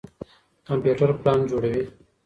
کمپيوټر پلان جوړوي.